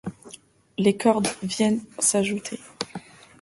Les cordes viennent s'ajouter.